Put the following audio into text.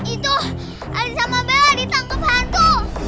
itu arissa mabela ditangkap hantu